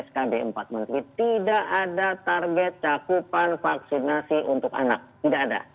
skb empat menteri tidak ada target cakupan vaksinasi untuk anak tidak ada